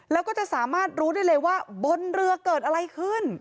แล้วก็จะสามารถรู้ได้เลยว่าบนเรือเกิดอะไรขึ้น